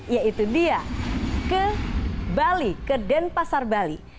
yaitu dia ke bali ke denpasar bali